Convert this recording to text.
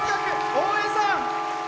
大江さん！